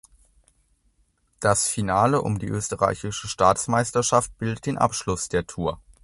Das Finale um die österreichische Staatsmeisterschaft bildet den Abschluss der Tour.